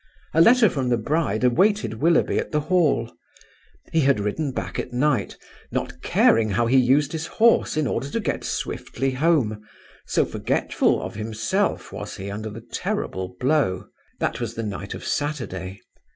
A letter from the bride awaited Willoughby at the Hall. He had ridden back at night, not caring how he used his horse in order to get swiftly home, so forgetful of himself was he under the terrible blow. That was the night of Saturday.